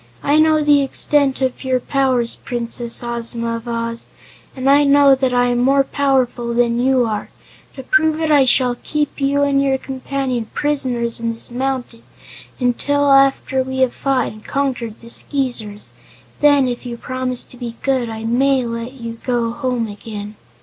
I know the extent of your powers, Princess Ozma of Oz, and I know that I am more powerful than you are. To prove it I shall keep you and your companion prisoners in this mountain until after we have fought and conquered the Skeezers. Then, if you promise to be good, I may let you go home again."